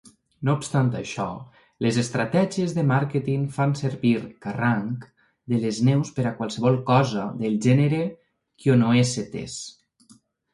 No obstant això, les estratègies de màrqueting fan servir cranc de les neus per a qualsevol cosa del gènere "Chionoecetes".